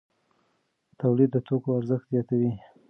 تولید د توکو ارزښت زیاتوي.